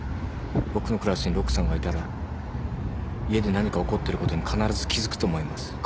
僕のクラスに陸さんがいたら家で何か起こってることに必ず気付くと思います。